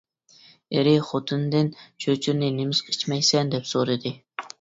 ئېرى خوتۇنىدىن : «چۆچۈرىنى نېمىشقا ئىچمەيسەن؟ » دەپ سورىدى.